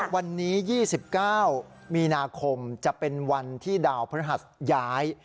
วันนี้๒๙มีนาคมจะเป็นวันที่ดาวพระหัสย้าย